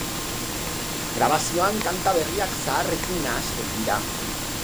Grabazioan kanta berriak zaharrekin nahasten dira.